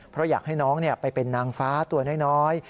เพราะอยากให้น้องไปเป็นนางฟ้าตัวน้อย